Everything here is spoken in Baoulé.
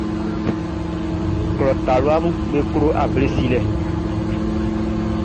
Klɔ taluaʼm be klo able silɛ.